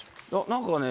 何かね